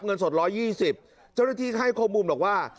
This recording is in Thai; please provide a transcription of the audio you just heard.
เงินสด๑๒๐บาทเจ้าหน้าที่ให้โคมบูมหลอกว่า